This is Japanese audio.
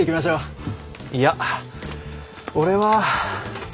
いや俺は。